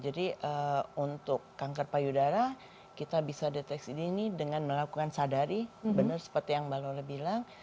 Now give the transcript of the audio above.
jadi untuk kanker payudara kita bisa deteksi dini dengan melakukan sadari benar seperti yang mbak lola bilang